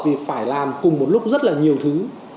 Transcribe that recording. thì phải làm cùng một lúc rất là nhiều thứ